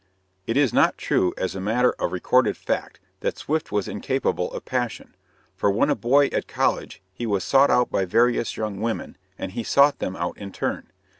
It is not true, as a matter of recorded fact, that Swift was incapable of passion, for when a boy at college he was sought out by various young women, and he sought them out in turn.